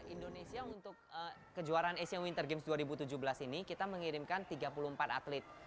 indonesia untuk kejuaraan asian winter games dua ribu tujuh belas ini kita mengirimkan tiga puluh empat atlet